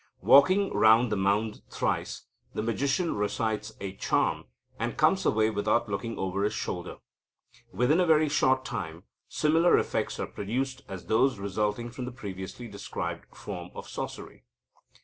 Walking round the mound thrice, the magician recites a charm, and comes away without looking over his shoulder. Within a very short time, similar effects are produced as those resulting from the previously described form of sorcery."